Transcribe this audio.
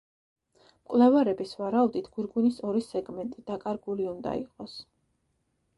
მკვლევარების ვარაუდით გვირგვინის ორი სეგმენტი დაკარგული უნდა იყოს.